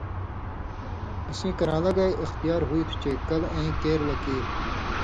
اسیں کران٘لہ گے اِختیار ہُوئ تُھو چے کَل ایں کیر لہ کیر۔